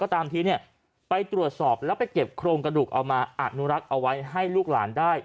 ตามทีเนี่ยไปตรวจสอบแล้วไปเก็บโครงกระดูกเอามาอนุรักษ์เอาไว้ให้ลูกหลานได้